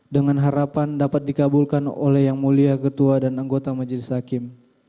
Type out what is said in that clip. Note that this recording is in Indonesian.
dengan harapan dapat dikabulkan oleh yang mulia ketua dan anggota majelis hakim